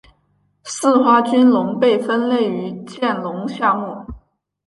似花君龙被分类于剑龙下目。